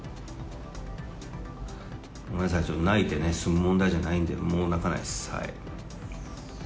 ごめんなさい、ちょっと泣いて済む問題じゃないんで、もう泣かないです。